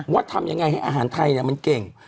ว่าทำยังไงให้อาหารไทยเนี่ยมันเก่ง